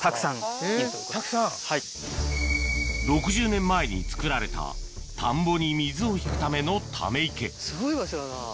６０年前に造られた田んぼに水を引くためのため池すごい場所だな。